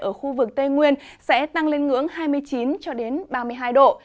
ở khu vực tây nguyên sẽ tăng lên ngưỡng hai mươi chín ba mươi hai độ